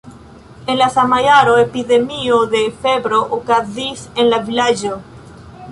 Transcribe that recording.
En la sama jaro epidemio de febro okazis en la vilaĝo.